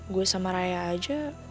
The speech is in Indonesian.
gue sama raya aja